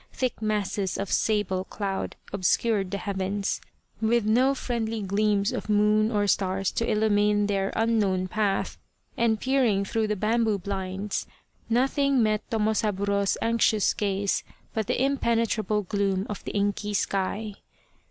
Thick masses of sable cloud obscured the heavens, with no friendly gleams of moon or stars to illumine their unknown path, and peering through the bamboo blinds nothing met Tomosaburo's anxious gaze but the impenetrable gloom of the inky sky.